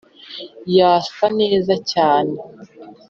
yasa neza cyane.